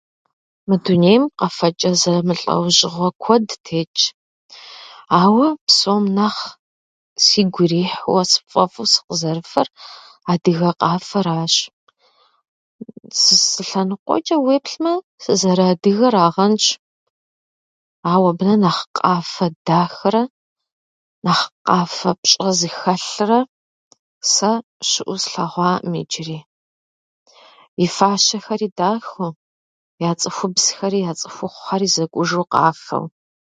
Мы дунейм къэфэчӏэ зэмылӏэужьыгъуэ куэд тетщ, ауэ псом нэхъ сигу ирихьуэ сфӏэфӏу сыкъызэрыфэр адыгэ къафэращ. Зы лъэныкъуэчӏэ уеплъмэ, сызэрыадыгэрагъэнщ, ауэ абы нэ нэхъ къафэ дахэрэ нэхъ къафэ пщӏэ зыхэлърэ сэ щыӏэу слъэгъуаӏым иджыри. И фащэхэри дахэу, я цӏыхубзхэри, я цӏыхухъухьэри зэкӏужу къафэу.